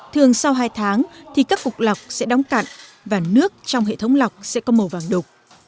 thường sau hai tháng thì các phục lọc sẽ đóng cặn và nước trong hệ thống lọc sẽ có màu vàng đục